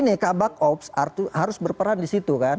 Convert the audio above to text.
nah ini kak bak ops harus berperan di situ kan